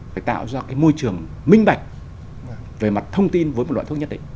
phải tạo ra cái môi trường minh bạch về mặt thông tin với một loại thuốc nhất định